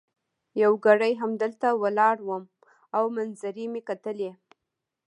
یو ګړی همدلته ولاړ وم او منظرې مي کتلې.